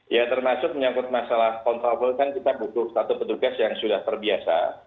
ya termasuk menyangkut masalah kontraflow kan kita butuh satu petugas yang sudah terbiasa